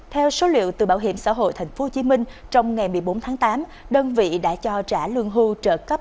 theo số liệu từ bảo hiểm xã hội tp hcm trong ngày một mươi bốn tháng tám đơn vị đã cho trả lương hưu trợ cấp